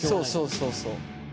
そうそうそうそう。